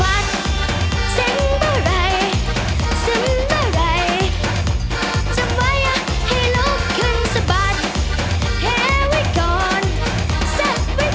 ถ้ามันอืดอาดที่หัวใจไม่ไหวก็ต้องสะปัดต้องสะปัดสะปัด